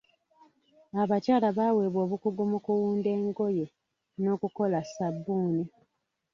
Abakyala baaweebwa obukugu mu kuwunda engoye n'okukola sabbuuni.